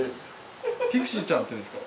ピクシーちゃんっていうんですか？